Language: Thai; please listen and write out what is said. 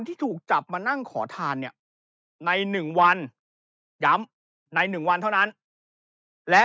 ที่ถูกจับมานั่งขอทานเนี่ยใน๑วันย้ำใน๑วันเท่านั้นและ